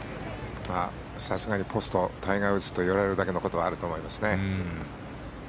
さすがにポストタイガー・ウッズといわれるだけのことはあると思いますね。